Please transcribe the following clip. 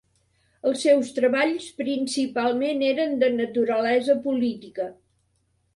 Els seus treballs principalment eren de naturalesa política.